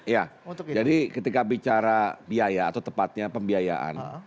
ya jadi ketika bicara biaya atau tepatnya pembiayaan